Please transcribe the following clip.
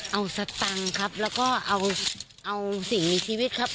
เอาสตังค์ครับแล้วก็เอาสิ่งมีชีวิตครับ